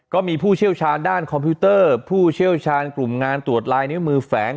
ผู้เชี่ยวชาญด้านคอมพิวเตอร์ผู้เชี่ยวชาญกลุ่มงานตรวจลายนิ้วมือแฝง